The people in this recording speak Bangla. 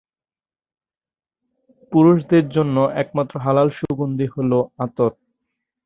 পুরুষদের জন্য একমাত্র হালাল সুগন্ধি হল আতর।